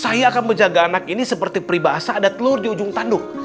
saya akan menjaga anak ini seperti peribahasa ada telur di ujung tanduk